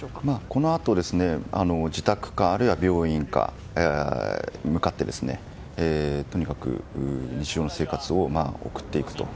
このあと自宅かあるいは病院に向かってとにかく日常の生活を送っていくと。